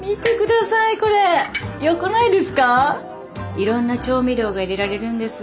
いろんな調味料が入れられるんです。